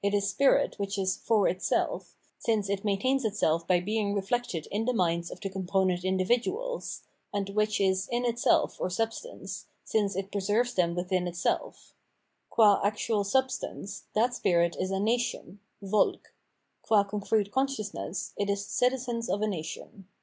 It is spirit which is for itself, since it maintains itself by being reflected in the minds of the component individuals ; and which is in itsdf or substance, since it preserves them within itself. Qua actual substance, that spirit is a Nation {Volk ); qua concrete consciousness, it is the Citizens of a nation.